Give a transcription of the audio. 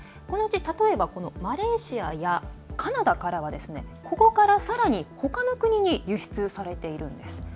このうち、例えばマレーシアやカナダからは、ここからさらにほかの国に輸出されているんです。